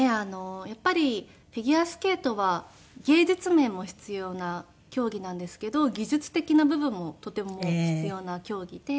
やっぱりフィギュアスケートは芸術面も必要な競技なんですけど技術的な部分もとても必要な競技で。